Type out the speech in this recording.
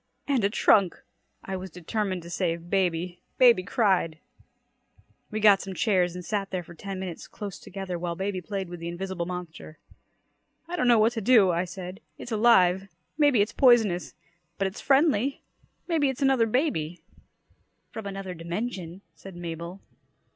"And a trunk!" I was determined to save baby. Baby cried! We got some chairs and sat there for ten minutes close together while baby played with the invisible monster. "I don't know what to do!" I said. "It's alive. Maybe it's poisonous. But it's friendly. Maybe it's another baby!" "From another dimension," said Mabel.